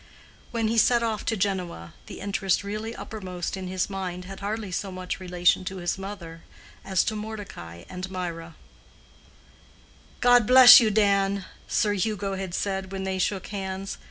When he set off to Genoa, the interest really uppermost in his mind had hardly so much relation to his mother as to Mordecai and Mirah. "God bless you, Dan!" Sir Hugo had said, when they shook hands.